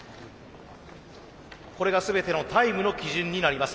これが全てのタイムの基準になります。